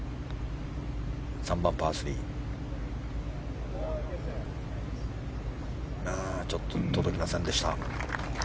３番、パー３。届きませんでした。